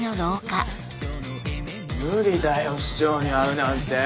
無理だよ市長に会うなんて。